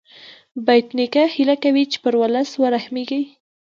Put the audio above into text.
بېټ نیکه هیله کوي چې پر ولس ورحمېږې.